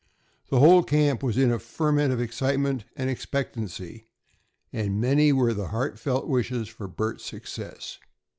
The whole camp was in a ferment of excitement and expectancy, and many were the heartfelt wishes for Bert's success.